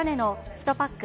１パック